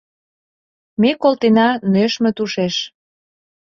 Ме колтена нӧшмӧ тушеш